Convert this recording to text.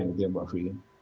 seperti yang mbak fili